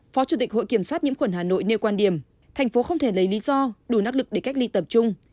phó chủ tịch hội kiểm soát nhiễm khuẩn hà nội nêu quan điểm thành phố không thể lấy lý do đủ năng lực để cách ly tập trung